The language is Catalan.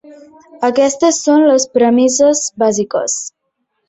Aquestes són les premisses bàsiques.